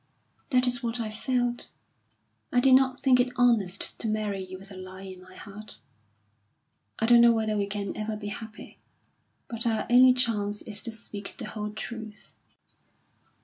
"That is what I felt. I did not think it honest to marry you with a lie in my heart. I don't know whether we can ever be happy; but our only chance is to speak the whole truth."